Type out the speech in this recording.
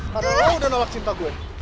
karena lu udah nolak cinta gue